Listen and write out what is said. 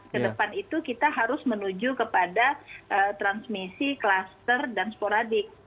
kedepan itu kita harus menuju kepada transmisi klaster dan sporadik